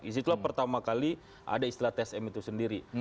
di situ pertama kali ada istilah tsm itu sendiri